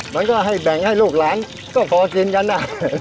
มันก็ให้แบ่งให้ลูกหลานก็พอเซ็นกันนะ